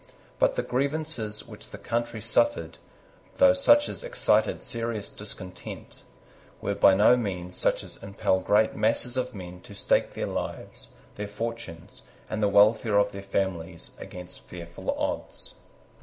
But the grievances which the country suffered, though such as excited serious discontent, were by no means such as impel great masses of men to stake their lives, their fortunes, and the welfare of their families against fearful odds.